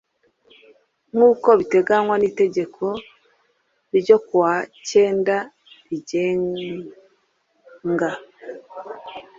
nk uko biteganywa n itegeko n ryo ku wa kenda rigenga